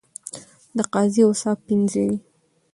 د قاضی اوصاف پنځه دي.